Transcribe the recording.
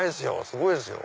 すごいですよ。